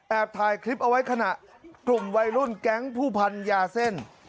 ถ่ายคลิปเอาไว้ขณะกลุ่มวัยรุ่นแก๊งผู้พันยาเส้น